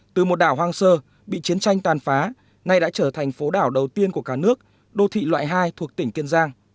từ một đảo hoang sơ bị chiến tranh toàn phá nay đã trở thành phố đảo đầu tiên của cả nước đô thị loại hai thuộc tỉnh kiên giang